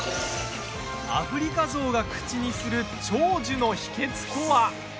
アフリカゾウが口にする長寿の秘けつとは。